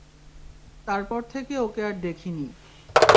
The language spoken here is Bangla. তারপর থেকে ওকে আর দেখিনি।